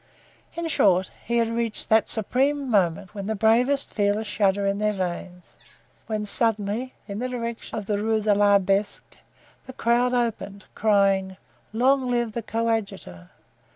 In short, he had reached that supreme moment when the bravest feel a shudder in their veins, when suddenly, in the direction of the Rue de l'Arbre Sec, the crowd opened, crying: "Long live the coadjutor!"